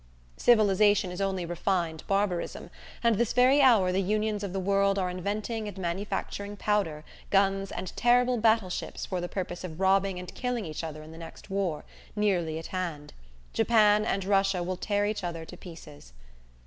Civilization is only refined barbarism; and this very hour the unions of the world are inventing and manufacturing powder, guns and terrible battle ships for the purpose of robbing and killing each other in the next war, nearly at hand. Japan and Russia will tear each other to pieces.